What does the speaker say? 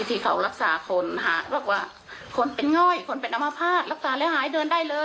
พี่เขารักษาคนหาบัตรกว่าคนเป็นง่อยคนเป็นน้ำมะพาดรักษาและหายเดินได้เลย๓วัน